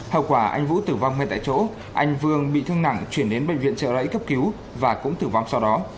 hậu quả anh vũ tử vong ngay tại chỗ anh vương bị thương nặng chuyển đến bệnh viện trợ rẫy cấp cứu và cũng tử vong sau đó